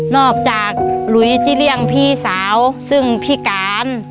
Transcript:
หลุยที่เลี่ยงพี่สาวซึ่งพี่การ